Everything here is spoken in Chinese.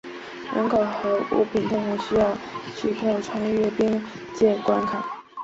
人口和物品通常需要许可穿越边界关卡。